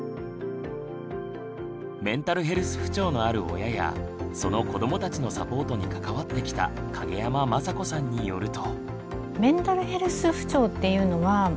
メンタルヘルス不調のある親やその子どもたちのサポートに関わってきた蔭山正子さんによると。